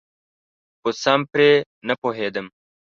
خو سم پرې نپوهیدم.